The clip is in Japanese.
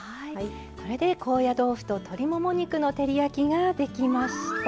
これで高野豆腐と鶏もも肉の照り焼きができました。